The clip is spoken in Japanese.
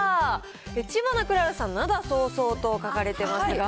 知花くららさん、涙そうそうと書かれてますが。